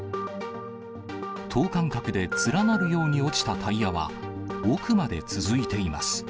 等間隔で連なるように落ちたタイヤは、奥まで続いています。